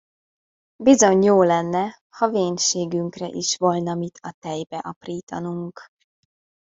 Bizony jó lenne, ha vénségünkre is volna mit a tejbe aprítanunk!